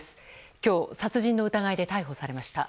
今日、殺人の疑いで逮捕されました。